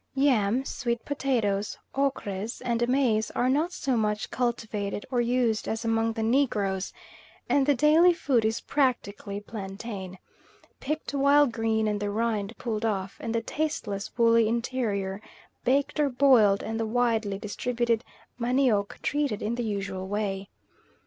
Yam, sweet potatoes, ochres, and maize are not so much cultivated or used as among the Negroes, and the daily food is practically plantain picked while green and the rind pulled off, and the tasteless woolly interior baked or boiled and the widely distributed manioc treated in the usual way.